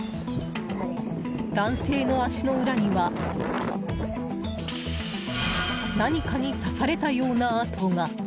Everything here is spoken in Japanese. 男性の足の裏には何かに刺されたような痕が。